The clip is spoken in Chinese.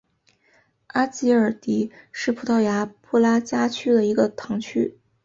阿吉尔迪是葡萄牙布拉加区的一个堂区。